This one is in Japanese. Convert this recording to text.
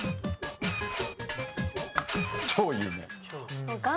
超有名！